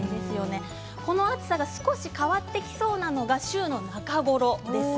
この暑さが少し変わってきそうなのが週の中ごろです。